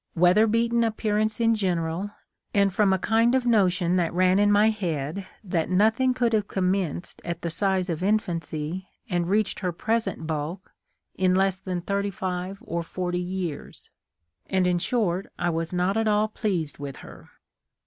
1 59 weather beaten appearance in general, and from a kind of notion that ran in my head that nothing could have commenced at the size of infancy and reached her present bulk in less than thirty five or forty years ; and, in short, I was not at all pleased with her.